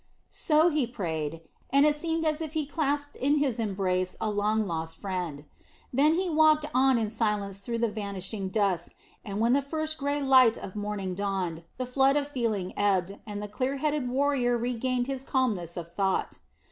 So he prayed, and it seemed as if he clasped in his embrace a long lost friend. Then he walked on in silence through the vanishing dusk, and when the first grey light of morning dawned, the flood of feeling ebbed, and the clear headed warrior regained his calmness of thought.